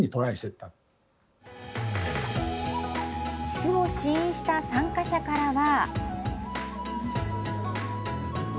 酢を試飲した参加者からは。